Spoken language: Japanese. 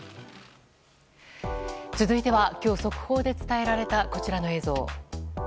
続いては今日速報で伝えられたこちらの映像。